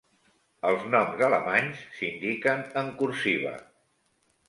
Els noms alemanys s'indiquen en "cursiva".